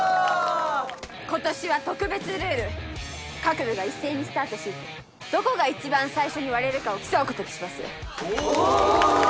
今年は特別ルール各部が一斉にスタートしどこが一番最初に割れるかを競うことにしますおおー！